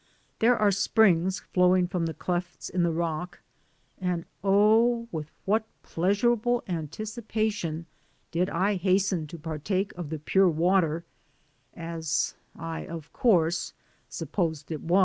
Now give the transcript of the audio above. There are springs flowing from the clefts in the rock; and oh, with what pleasurable an ticipation did I hasten to partake of the pure water, as I, of course, supposed it was.